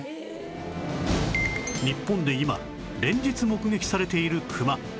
日本で今連日目撃されているクマ